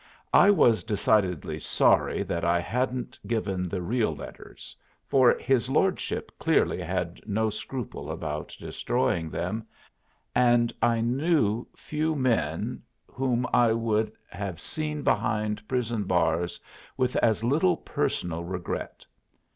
I was decidedly sorry that I hadn't given the real letters, for his lordship clearly had no scruple about destroying them, and I knew few men whom I would have seen behind prison bars with as little personal regret.